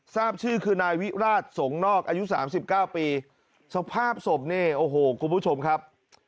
ทราบชื่อคือนายวิราชสงนอกอายุสามสิบเก้าปีสภาพศพนี่โอ้โหคุณผู้ชมครับ